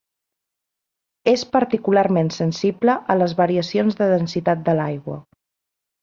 És particularment sensible a les variacions de densitat de l'aigua.